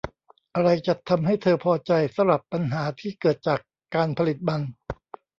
อะไรจะทำให้เธอพอใจสำหรับปัญหาที่เกิดจากการผลิตมัน